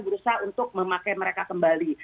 berusaha untuk memakai mereka kembali